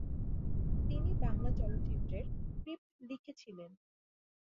তিনি বাংলা চলচ্চিত্রের স্ক্রিপ্ট লিখেছিলেন।